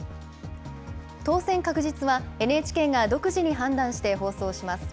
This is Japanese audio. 当選確実はＮＨＫが独自に判断して放送します。